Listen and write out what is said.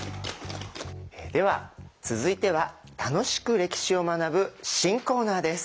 では続いては楽しく歴史を学ぶ新コーナーです。